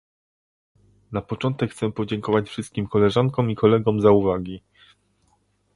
Na początek chcę podziękować wszystkim koleżankom i kolegom za uwagi